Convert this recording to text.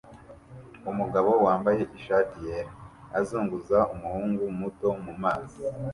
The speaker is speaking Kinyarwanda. Umugabo wambaye ishati yera azunguza umuhungu muto mumazi